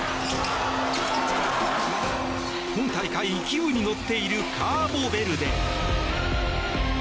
今大会、勢いに乗っているカーボベルデ。